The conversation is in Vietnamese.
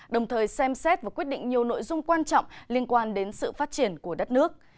đồng thời xem xét và quyết định nhiều nội dung quan trọng liên quan đến sự phát triển của đất nước